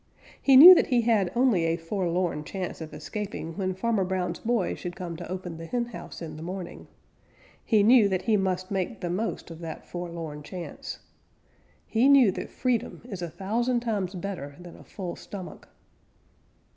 He knew that he had only a forlorn chance of escaping when Farmer Brown's boy should come to open the henhouse in the morning. He knew that he must make the most of that forlorn chance. He knew that freedom is a thousand times better than a full stomach.